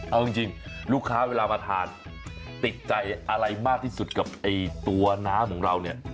เอาจริงลูกค้าเวลามาทานติดใจอะไรมากที่สุดกับตัวน้ำของเราเนี่ย